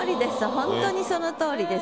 ほんとにそのとおりです。